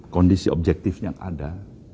kondisi objektif yang ada